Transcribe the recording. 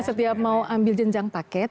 setiap mau ambil jenjang paket